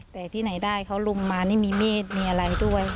แต่ที่ไหนได้เขาลุมมานี่มีมีดมีอะไรด้วย